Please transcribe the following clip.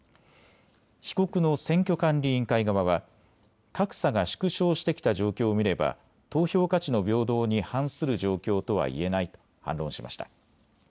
被告の選挙管理委員会側は格差が縮小してきた状況を見れば投票価値の平等に反する状況とはいえないと反論しました。